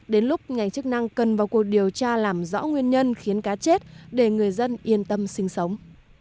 đến lúc ngành chức năng cần vào cuộc điều tra làm rõ nguyên nhân khiến cá chết để người dân yên tâm sinh sống